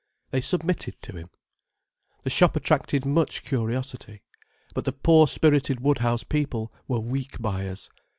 They submitted to him. The shop attracted much curiosity. But the poor spirited Woodhouse people were weak buyers.